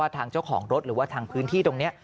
ทางเจ้าของรถหรือว่าทางพื้นที่ตรงนี้